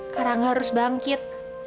karangga harus bangkit